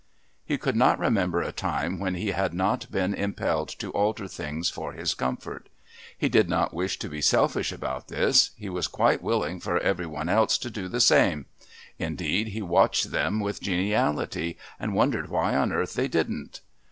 He could not remember a time when he had not been impelled to alter things for his comfort. He did not wish to be selfish about this, he was quite willing for every one else to do the same indeed, he watched them with geniality and wondered why on earth they didn't.